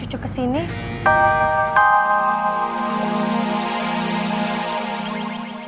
cucu tuh kenapa nyuruhnya